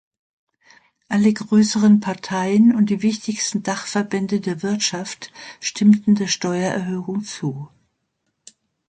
Alle grösseren Parteien und die wichtigsten Dachverbände der Wirtschaft stimmten der Steuererhöhung zu.